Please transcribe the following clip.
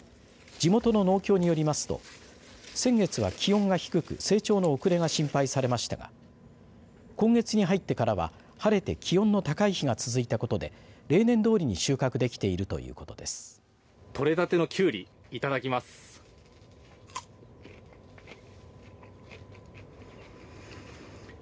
地元の農協によりますと先月は気温が低く、成長の遅れが心配されましたが今月に入ってからは晴れて気温の高い日が続いたことで例年どおりに収穫できているということです。